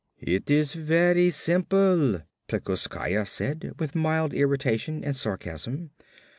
"It is very simple," Plekoskaya said with mild irritation and sarcasm.